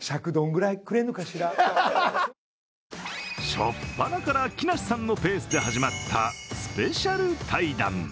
初っぱなから木梨さんのペースで始まったスペシャル対談。